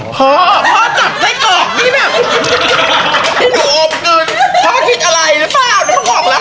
พ่อพ่อจับไส้กรอกนี่แบบ